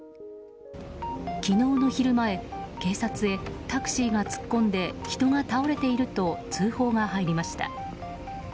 昨日の昼前、警察へタクシーが突っ込んで人が倒れていると通報が入りました。